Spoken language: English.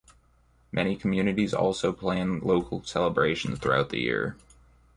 Many communities also plan local celebrations throughout the year.